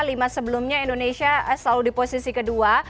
lima sebelumnya indonesia selalu di posisi ke dua